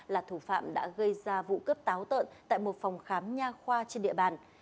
là thủ phạm đã gây ra vụ cướp táo tợn tại một phòng khám nha khoa trên địa bàn